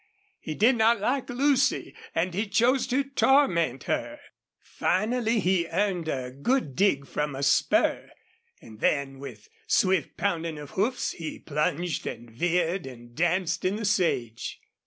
He did not like Lucy and he chose to torment her. Finally he earned a good dig from a spur, and then, with swift pounding of hoofs, he plunged and veered and danced in the sage.